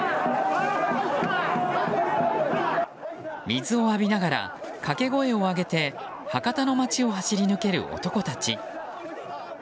水を浴びながら掛け声を上げて博多の街を走り抜ける男たち。